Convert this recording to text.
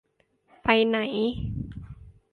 ไปไหน !